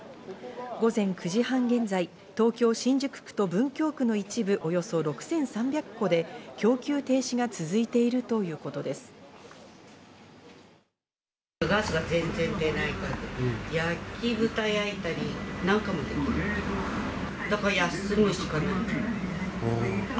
午前９時半現在、東京新宿区と文京区の一部およそ６３００戸で供給停止が続いているということです。